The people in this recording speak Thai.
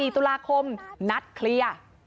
๔ตุลาคมนัดเคลียร์